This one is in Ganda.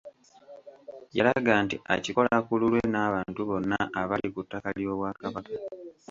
Yalaga nti akikola ku lulwe n’abantu bonna abali ku ttaka ly’Obwakabaka.